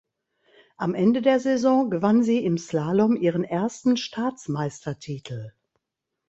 Am Ende der Saison gewann sie im Slalom ihren ersten Staatsmeistertitel.